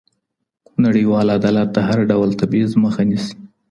نړیوال عدالت د هر ډول تبعیض مخه نیسي.